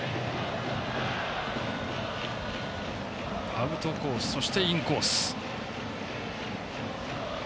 アウトコース、そしてインコース。